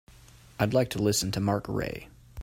I'd like to listen to mark rae